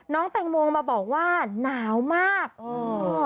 น้องแตงโมมาบอกว่าหนาวมากเออ